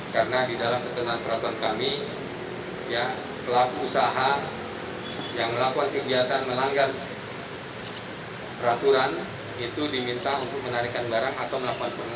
karena di dalam perkenaan peraturan kami pelaku usaha yang melakukan kegiatan melanggar peraturan itu diminta untuk menarikan barang atau melakukan pemusnahan